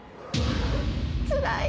つらい？